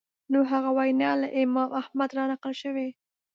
نو هغه وینا له امام احمد رانقل شوې